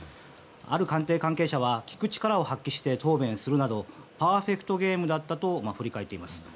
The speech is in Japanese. ある官邸関係者は聞く力を発揮して答弁するなどパーフェクトゲームだったと振り返っています。